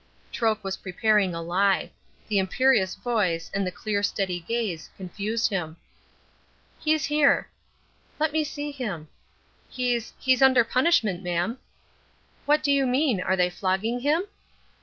Troke was preparing a lie. The imperious voice, and the clear, steady gaze, confused him. "He's here." "Let me see him." "He's he's under punishment, mam." "What do you mean? Are they flogging him?"